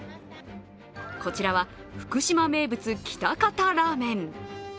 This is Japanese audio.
こちらは福島名物、喜多方ラーメン。